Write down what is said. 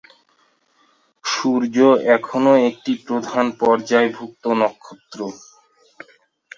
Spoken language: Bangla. সূর্য এখনও একটি প্রধান-পর্যায়ভুক্ত নক্ষত্র।